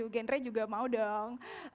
genre juga mau dong